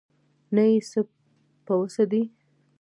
نه یې څه په وسه دي.